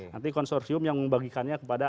nanti konsorsium yang membagikannya kepada